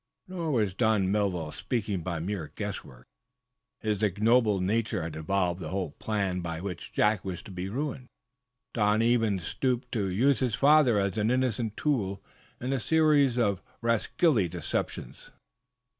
Nor was Don Melville speaking by mere guesswork. His ignoble nature had evolved the whole plan by which Jack was to be ruined. Don even stooped to use his father as an innocent tool in a series of rascally deceptions.